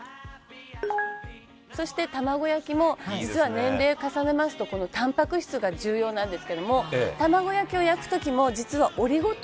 「そして卵焼きも実は年齢重ねますとタンパク質が重要なんですけども卵焼きを焼く時も実はオリゴ糖入れてるんですね」